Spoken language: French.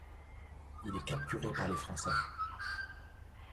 Il est capturé par les Français.